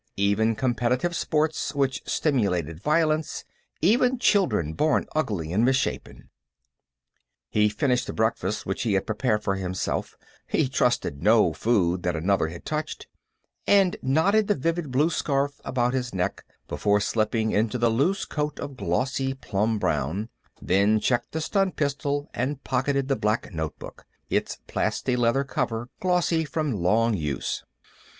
Even competitive sports which simulated violence; even children born ugly and misshapen.... He finished the breakfast which he had prepared for himself he trusted no food that another had touched and knotted the vivid blue scarf about his neck before slipping into the loose coat of glossy plum brown, then checked the stun pistol and pocketed the black notebook, its plastileather cover glossy from long use.